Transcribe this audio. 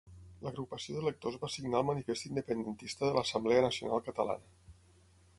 L'agrupació d'electors va signar el manifest independentista de l'Assemblea Nacional Catalana.